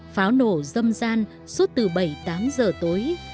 pháo nổ dâm gian suốt từ bảy tám giờ tối